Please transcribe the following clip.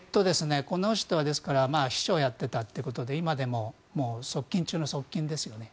この人は秘書をやっていたということで今でも側近中の側近ですよね。